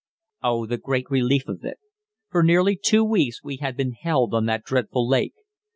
Oh, the great relief of it! For nearly two weeks we had been held on that dreadful lake.